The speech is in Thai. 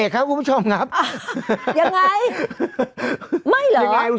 ก็อยู่ที่๙๓สตั้ง